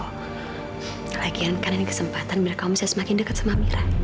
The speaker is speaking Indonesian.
lagian kan ini kesempatan biar kamu bisa semakin dekat sama amira